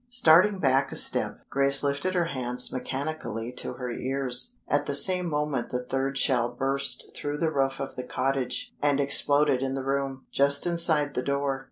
Starting back a step, Grace lifted her hands mechanically to her ears. At the same moment the third shell burst through the roof of the cottage, and exploded in the room, just inside the door.